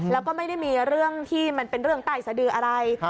แล้วก็ไม่ได้มีเรื่องที่มันเป็นเรื่องใต้สดืออะไร